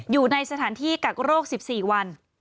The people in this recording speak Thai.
อยู่ในสถานที่กักโรค๑๔วัน